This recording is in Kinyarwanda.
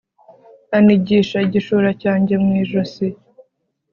anigisha igishura cyanjye mu ijosi